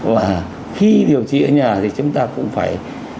và khi điều trị ở nhà thì chúng ta cũng phải